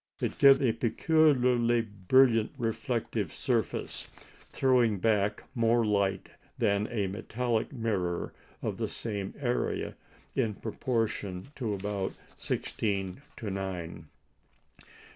It gives a peculiarly brilliant reflective surface, throwing back more light than a metallic mirror of the same area, in the proportion of about sixteen to nine.